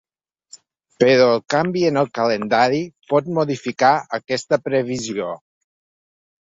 Però el canvi en el calendari pot modificar aquesta previsió.